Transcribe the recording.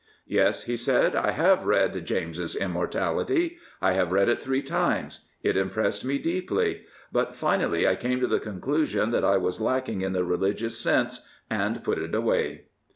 " Yes/' he said, I have read James' Immortality, I have read it three times. It impressed me deeply. But finally I came to the conclusion that I was lacking in the religious sense, and put it away."